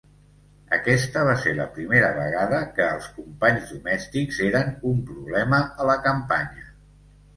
Aquesta va ser la primera vegada que els companys domèstics eren un problema a la campanya.